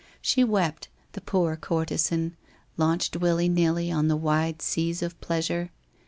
She wept, the poor courtesan, launched, willy nilly on the wide seas of pleasure!